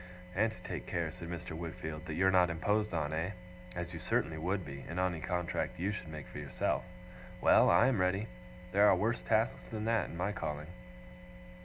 'And to take care,' said Mr. Wickfield, 'that you're not imposed on, eh? As you certainly would be, in any contract you should make for yourself. Well! I am ready. There are worse tasks than that, in my calling.